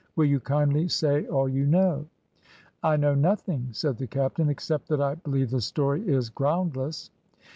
Will you kindly say all you know?" "I know nothing," said the captain, "except that I believe the story is groundless."